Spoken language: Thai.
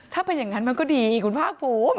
ถ้าเป็นอย่างนั้นมันก็ดีอีกคุณภาคภูมิ